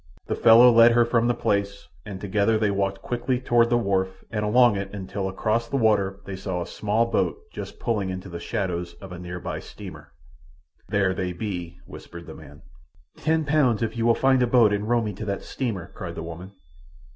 The fellow led her from the place, and together they walked quickly toward the wharf and along it until across the water they saw a small boat just pulling into the shadows of a near by steamer. "There they be," whispered the man. "Ten pounds if you will find a boat and row me to that steamer," cried the woman.